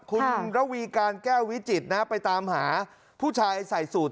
คุณระวีการแก้ววิจิตรนะไปตามหาผู้ชายใส่สูตร